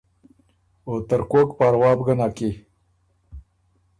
”او ترکوک پاروا بو ګه نک کی“